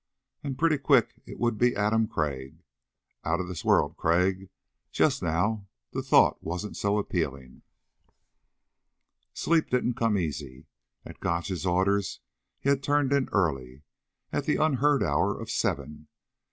And pretty quick it would be Adam Crag. Out of this world Crag. Just now the thought wasn't so appealing. Sleep didn't come easy. At Gotch's orders he had turned in early, at the unheard hour of seven.